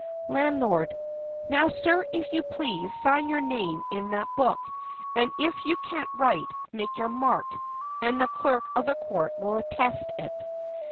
Landlord. Now, sir, if you please, sign your name in that book, and if you can't write, make your mark, and the clerk of the court will attest it.